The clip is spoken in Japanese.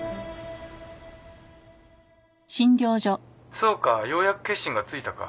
☎そうかようやく決心がついたか。